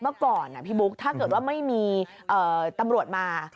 เมื่อก่อนพี่บุ๊คถ้าเกิดว่าไม่มีตำรวจมา